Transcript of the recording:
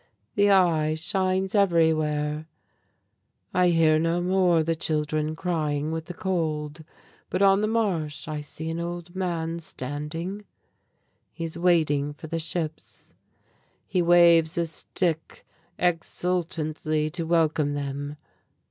"The 'Eye' shines everywhere. I hear no more the children crying with the cold; but on the Marsh I see an old man standing. He is waiting for the ships. He waves his stick exultantly to welcome them.